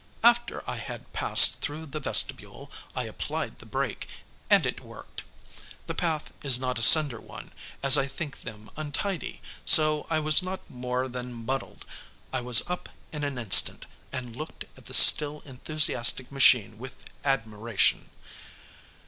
After I had passed through the vestibule, I applied the brake, and it worked. The path is not a cinder one, as I think them untidy, so I was not more than muddied. I was up in an instant, and looked at the still enthusiastic machine with admiration.